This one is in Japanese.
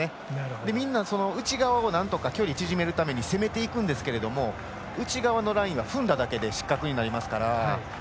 みんな、内側をなんとか距離縮めるために攻めていくんですが内側のラインは踏んだだけで失格になりますから。